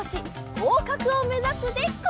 ごうかくをめざすでござる！